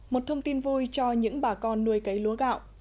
một thông tin vui cho những bà con nuôi cấy lúa gạo